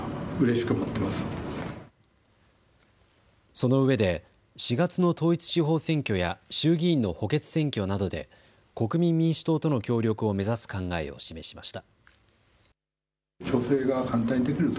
そのうえで４月の統一地方選挙や衆議院の補欠選挙などで国民民主党との協力を目指す考えを示しました。